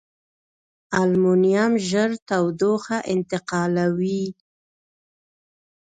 المونیم ژر تودوخه انتقالوي.